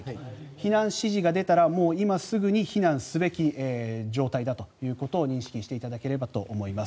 避難指示が出たら今すぐに避難すべき状態だということを認識していただければと思います。